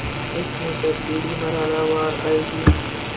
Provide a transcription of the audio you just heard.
اس میں تبدیلی مرحلہ وار آئے گی